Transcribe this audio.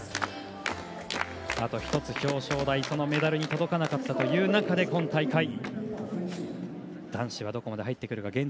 あと１つ、表彰台メダルに届かなかった中で今大会、男子はどこまで入ってくるか。